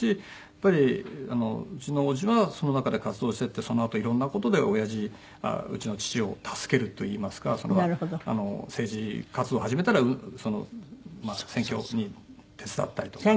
やっぱりうちの叔父はその中で活動していってそのあといろんな事でおやじうちの父を助けるといいますか政治活動を始めたら選挙に手伝ったりとか。